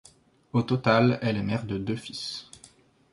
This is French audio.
Au total, elle est mère de deux fils.